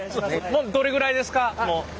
もうどれぐらいですか？